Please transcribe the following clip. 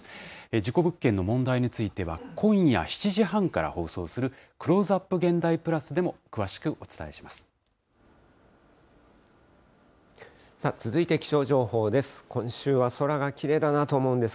事故物件の問題については、今夜７時半から放送する、クローズアップ現代プラスでも詳しくお伝え続いて気象情報です。